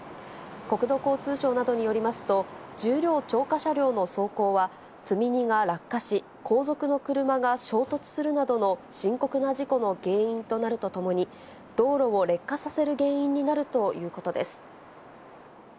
国土交通省などによりますと、重量超過車両の走行は積み荷が落下し、後続の車が衝突するなどの深刻な事故の原因となるとともに、道路を劣化させる原因になるということです。